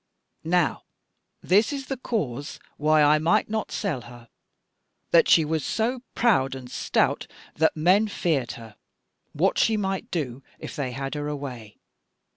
Now this was the cause why I might not sell her, that she was so proud and stout that men feared her, what she might do if they had her away.